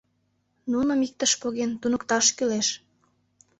Нуным, иктыш поген, туныкташ кӱлеш.